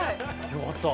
「よかった」